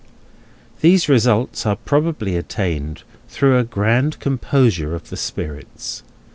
These results are probably attained through a grand composure of the spirits.